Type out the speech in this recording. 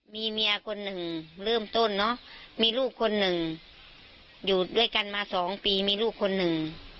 มีเมียคนหนึ่งเริ่มต้นเนอะมีลูกคนหนึ่งอยู่ด้วยกันมาสองปีมีลูกคนหนึ่ง